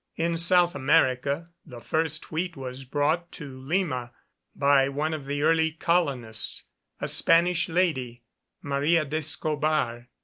In South America the first wheat was brought to Lima by one of the early colonists, a Spanish lady, Maria d'Escobar.